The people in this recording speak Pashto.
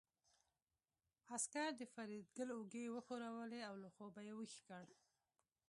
عسکر د فریدګل اوږې وښورولې او له خوبه یې ويښ کړ